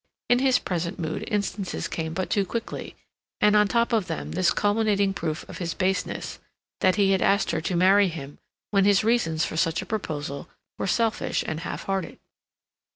In his present mood instances came but too quickly, and on top of them this culminating proof of his baseness—that he had asked her to marry him when his reasons for such a proposal were selfish and half hearted.